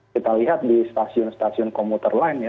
kita lihat di stasiun stasiun komuter lain ya